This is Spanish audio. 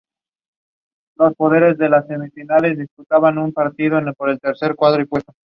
Este episodio nunca se terminó.